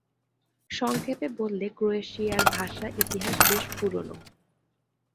সংক্ষেপে বললে ক্রোয়েশিয়ার ভাষা-ইতিহাস বেশ পুরোনো।